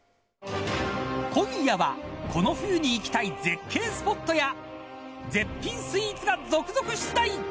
今夜はこの冬に行きたい絶景スポットや絶品スイーツが続々出題。